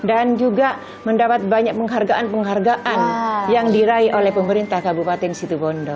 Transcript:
dan juga mendapat banyak penghargaan penghargaan yang diraih oleh pemerintah kabupaten situbondo